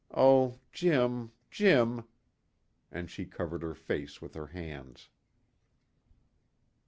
Oh, Jim Jim!" And she covered her face with her hands.